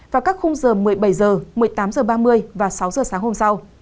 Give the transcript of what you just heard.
vào các khung giờ một mươi bảy h một mươi tám h ba mươi và sáu h sáng hôm sau